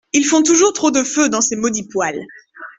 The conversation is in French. Ils font toujours trop de feu dans ces maudits poêles.